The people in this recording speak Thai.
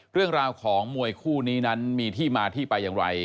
เรื่องราวของมวยคู่นี้นั้นมีที่มาที่ไปอย่างไร